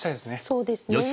そうですね。